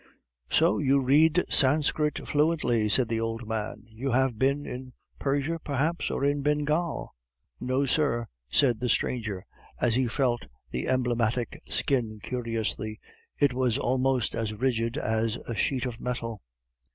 "So you read Sanskrit fluently," said the old man. "You have been in Persia perhaps, or in Bengal?" "No, sir," said the stranger, as he felt the emblematical skin curiously. It was almost as rigid as a sheet of metal.